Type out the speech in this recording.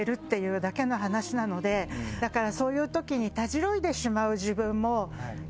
だからそういうときに。